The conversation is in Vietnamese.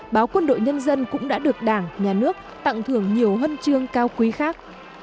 báo quân đội nhân dân cũng đã được đảng nhà nước tặng thưởng nhiều huân chương cao quý khác